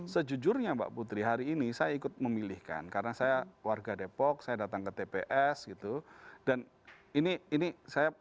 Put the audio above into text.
sejujurnya mbak putri hari ini saya ikut memilihkan karena saya warga depok saya datang ke tps gitu dan ini ini saya